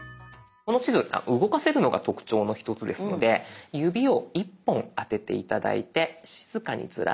この地図動かせるのが特徴の１つですので指を１本当てて頂いて静かにズラしてみて下さい。